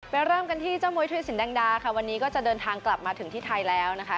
เริ่มกันที่เจ้ามุยธุรสินแดงดาค่ะวันนี้ก็จะเดินทางกลับมาถึงที่ไทยแล้วนะคะ